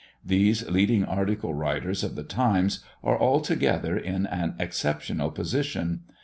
These leading article writers of the Times are altogether in an exceptional position.